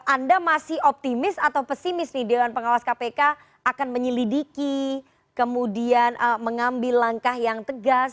anda masih optimis atau pesimis nih dewan pengawas kpk akan menyelidiki kemudian mengambil langkah yang tegas